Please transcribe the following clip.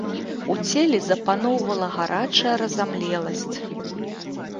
У целе запаноўвала гарачая разамлеласць.